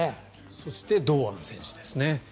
そして堂安選手ですね。